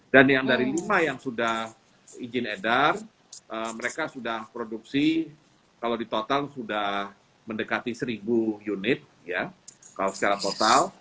dan yang dari lima yang sudah izin edar mereka sudah produksi kalau di total sudah mendekati seribu unit kalau secara total